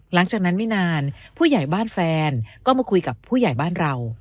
หลังจากนั้นไม่นานผู้ใหญ่บ้านแฟนก็มาคุยกับผู้ใหญ่บ้านเรา